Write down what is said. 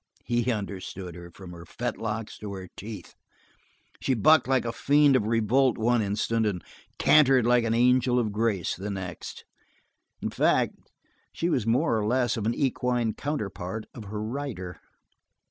He understood her from her fetlocks to her teeth. She bucked like a fiend of revolt one instant and cantered like an angel of grace the next; in fact she was more or less of an equine counterpart of her rider.